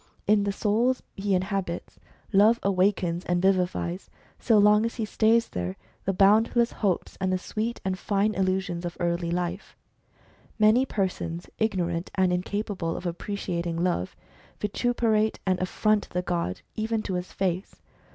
In the souls he inhabits, Love awakens and vivifies, so long as he stays there, the boundless hopes, and the sweet and fine H HISTORY OF THE HUMAN RACE. illusions of early life. Many persons, ignorant and incapable of appreciating Love, vituperate and affront the god, even to his face.